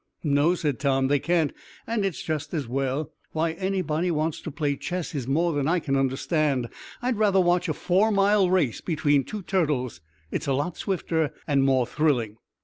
"No," said Tom, "they can't, and it's just as well. Why anybody wants to play chess is more than I can understand. I'd rather watch a four mile race between two turtles. It's a lot swifter and more thrilling."